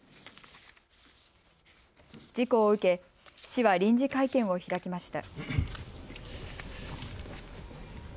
事故を受け市は臨時会見を開きました。